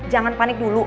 jangan panik dulu